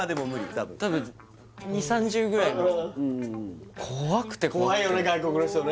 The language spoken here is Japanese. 多分多分２０３０ぐらいの怖くて怖くて怖いよね